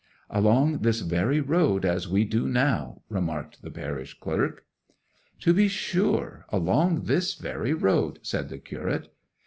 'Along this very road as we do now,' remarked the parish clerk. 'To be sure—along this very road,' said the curate.